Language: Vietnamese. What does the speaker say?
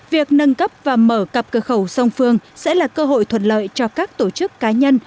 việc nâng cấp và mở cặp cửa khẩu sông phương sẽ là cơ hội thuận lợi cho các tổ chức cá nhân